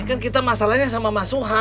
kan kita masalahnya sama mas suha